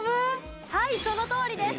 はいそのとおりです。